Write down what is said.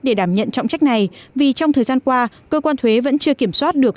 để đảm nhận trọng trách này vì trong thời gian qua cơ quan thuế vẫn chưa kiểm soát được